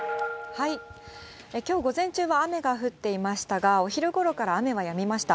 きょう午前中は雨が降っていましたが、お昼ごろから雨はやみました。